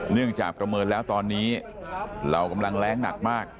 เนื่องจากประเมินแล้วตอนนี้เรากำลังแรงหนักมาก